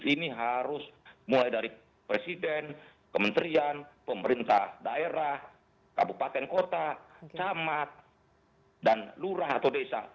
ini harus mulai dari presiden kementerian pemerintah daerah kabupaten kota camat dan lurah atau desa